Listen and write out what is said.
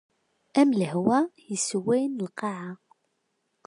Am lehwa yesswayen lqaɛa.